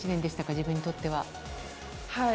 自分にとっては。